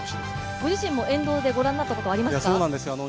ご自身も沿道でご覧になったことありますか？